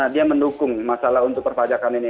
dia mendukung masalah untuk perpajakan ini